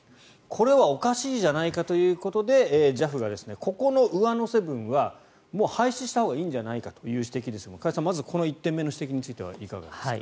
これはおかしいじゃないかということでＪＡＦがここの上乗せ分はもう廃止したほうがいいんじゃないかという指摘ですが加谷さんこの１点目の指摘についてはいかがですか。